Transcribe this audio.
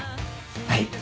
はい。